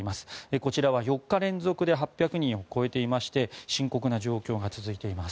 こちらは４日連続で８００人を超えていまして深刻な状況が続いています。